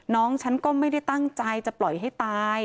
น้องฉันก็ไม่ได้ตั้งใจจะปล่อยให้ตาย